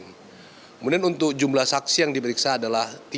kemudian untuk jumlah saksi yang diperiksa adalah tiga